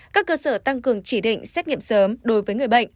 các cơ sở tăng cường chỉ định xét nghiệm sớm đối với người bệnh